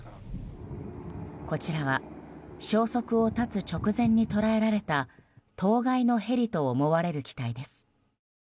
こちらは、消息を絶つ直前に捉えられた当該のヘリと思われる機体です。